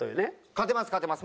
勝てます勝てます。